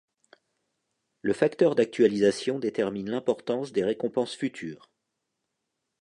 Le facteur d'actualisation détermine l'importance des récompenses futures.